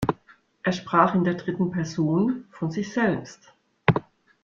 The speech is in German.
Er sprach in der dritten Person von sich selbst.